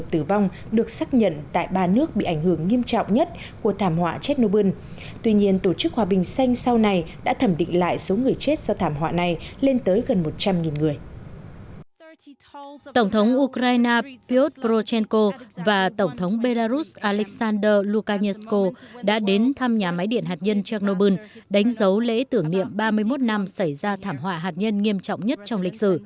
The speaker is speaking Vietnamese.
tổng thống ukraine pyotr prochenko và tổng thống belarus alexander lukashenko đã đến thăm nhà máy điện hạt nhân chernobyl